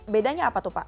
bedanya apa tuh pak